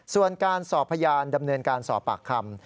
ส่วนการสอบพยานดำเนินการสอบปากคำ